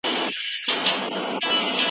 څه درد ،درد يمه زه